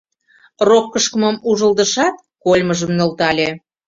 Рок кышкымым ужылдышат, кольмыжым нӧлтале: